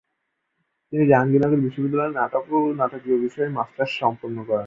তিনি জাহাঙ্গীরনগর বিশ্ববিদ্যালয়ের নাটক ও নাটকীয় বিষয়ে মাস্টার্স সম্পন্ন করেন।